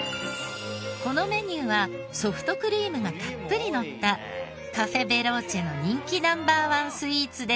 このメニューはソフトクリームがたっぷりのったカフェ・ベローチェの人気Ｎｏ．１スイーツですが。